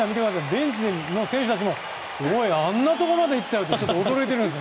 ベンチの選手もおい、あんなとこまで行ったよとちょっと驚いているんです。